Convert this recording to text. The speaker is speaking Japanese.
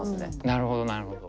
なるほどなるほど。